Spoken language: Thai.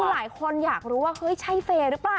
พวกหลายคนอยากรู้ว่าใช่เฟรรี่ป่ะ